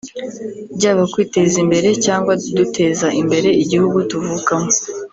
byaba kwiteza imbere cyangwa duteza imbere igihugu tuvukamo